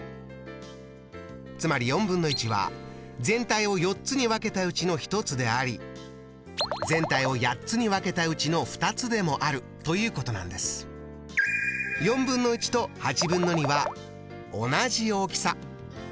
つまりは全体を４つに分けたうちの１つであり全体を８つに分けたうちの２つでもあるということなんです。とは同じ大きさ。